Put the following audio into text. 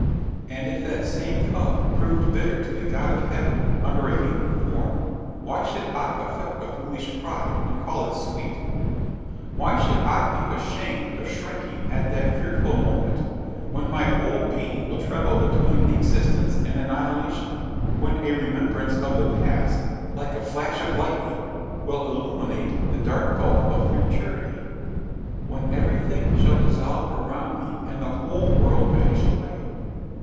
And if that same cup proved bitter to the God of heaven, under a human form, why should I affect a foolish pride, and call it sweet? Why should I be ashamed of shrinking at that fearful moment, when my whole being will tremble between existence and annihilation, when a remembrance of the past, like a flash of lightning, will illuminate the dark gulf of futurity, when everything shall dissolve around me, and the whole world vanish away?